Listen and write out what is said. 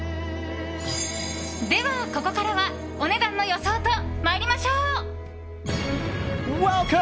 では、ここからはお値段の予想と参りましょう。